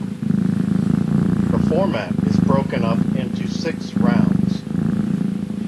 The format is broken up into six rounds.